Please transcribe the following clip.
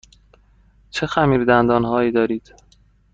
چه خمیردندان هایی دارید؟